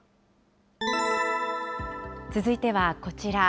続いてはこちら。